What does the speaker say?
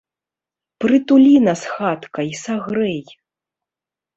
Прытулі нас, хатка, і сагрэй!